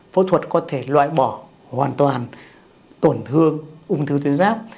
phẫu thuật có thể loại bỏ hoàn toàn tổn thương ung thư tuyến giáp